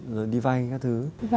rồi đi vay các thứ